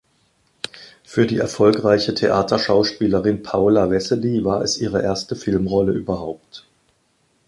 Für die erfolgreiche Theaterschauspielerin Paula Wessely war es ihre erste Filmrolle überhaupt.